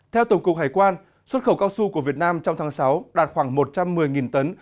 theo tổng cục hải quan xuất khẩu cao su của việt nam trong tháng sáu đạt khoảng một trăm một mươi tấn